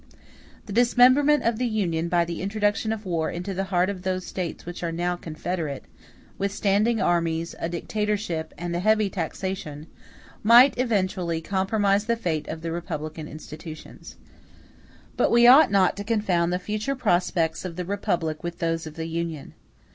The dismemberment of the Union, by the introduction of war into the heart of those States which are now confederate, with standing armies, a dictatorship, and a heavy taxation, might, eventually, compromise the fate of the republican institutions. But we ought not to confound the future prospects of the republic with those of the Union.